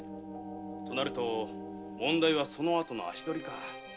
となると問題はその後の足取りか。